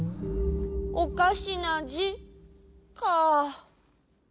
「おかしなじ」か。